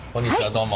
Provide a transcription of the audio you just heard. どうも。